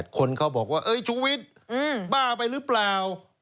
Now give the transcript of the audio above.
คนเขาบอกว่าชุวิตบ้าไปหรือเปล่า